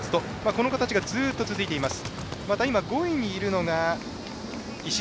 この形がずっと続いています。